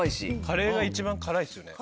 カレーが一番辛いですよね